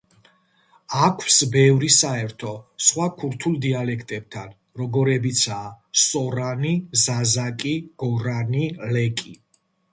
აქვს ბევრი საერთო სხვა ქურთულ დიალექტებთან, როგორებიცაა სორანი, ზაზაკი, გორანი, ლეკი.